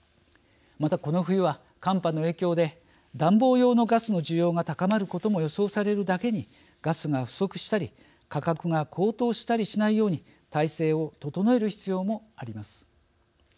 またこの冬は寒波の影響で暖房用のガスの需要が高まることも予想されるだけにガスが不足したり価格が高騰したりしないように体制を整える必要もあります。